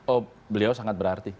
oh beliau sangat berarti